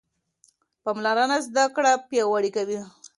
پاملرنه زده کړه پیاوړې کوي.